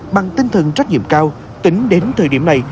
bằng tinh thần trách nhiệm cao tính đến thời điểm này